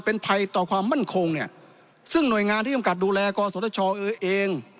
เป็นภัยต่อความมั่นคงเนี่ยซึ่งหน่วยงานที่กำกับดูแลกศชเอง